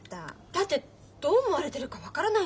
だってどう思われてるか分からないんだもの。